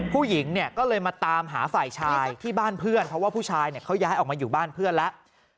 ผู้หญิงเนี่ยก็เลยมาตามหาฝ่ายชายที่บ้านเพื่อนเพราะว่าผู้ชายเขาย้ายออกมาอยู่บ้านเพื่อนแล้ว